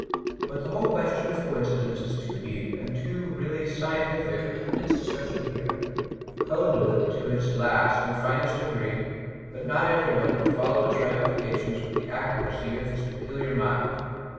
But the whole question of coincidence is too deep and too really scientific to attempt its discussion here. Poe knew it to its last and finest degree, but not every one could follow its ramifications with the accuracy of his peculiar mind.